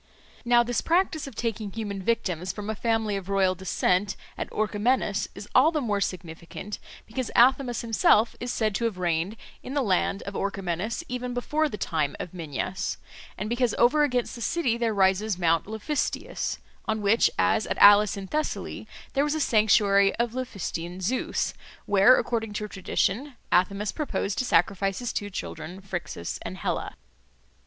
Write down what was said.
Now this practice of taking human victims from a family of royal descent at Orchomenus is all the more significant because Athamas himself is said to have reigned in the land of Orchomenus even before the time of Minyas, and because over against the city there rises Mount Laphystius, on which, as at Alus in Thessaly, there was a sanctuary of Laphystian Zeus, where, according to tradition, Athamas purposed to sacrifice his two children Phrixus and Helle.